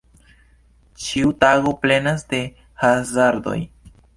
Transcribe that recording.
Ĉiu tago plenas de hazardoj.